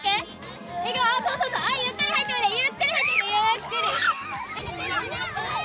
ゆっくり入っておいで、ゆっくり。